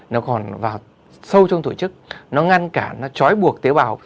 nó còn vào sâu trong tổ chức nó ngăn cản nó chói buộc tế bào